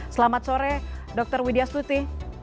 selamat sore dr widya stuti